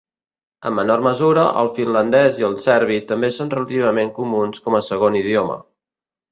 En menor mesura, el finlandès i el serbi també són relativament comuns com a segon idioma.